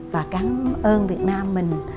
và cảm ơn việt nam mình